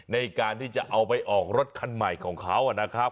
ในการที่จะเอาไปออกรถคันใหม่ของเขานะครับ